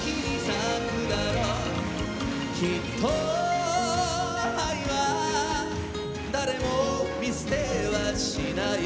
きっと愛は誰も見捨てはしない